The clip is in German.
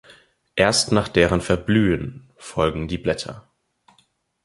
Erst nach deren Verblühen folgen die Blätter.